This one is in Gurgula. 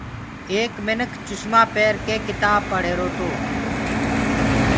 ايڪ منک چُشمآنٚ پيرڪي ڪتآب پڙه ريهروتو